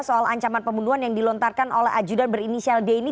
soal ancaman pembunuhan yang dilontarkan oleh ajudan berinisial d ini